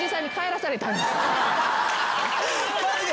マジで？